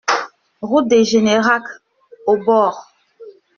Route de Générac, Aubord